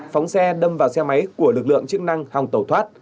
phóng xe đâm vào xe máy của lực lượng chức năng hòng tẩu thoát